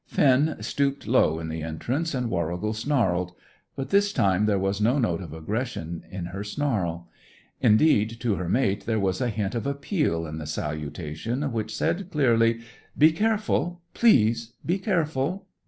Finn stooped low in the entrance and Warrigal snarled. But this time there was no note of aggression in her snarl. Indeed, to her mate, there was a hint of appeal in the salutation, which said clearly: "Be careful! Please be careful!"